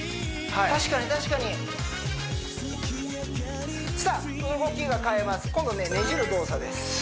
確かに確かにさあ動きが変えます今度ねねじる動作です